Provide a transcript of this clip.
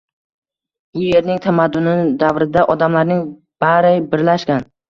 Bu yerning tamadduni davrida odamlarning bari birlashgan